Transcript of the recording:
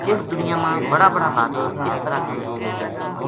اس دُنیا ما بڑا بڑا بہادر اس طرح کمزور ہو جائے